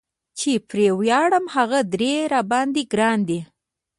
چې پرې وياړم هغه درې را باندي ګران دي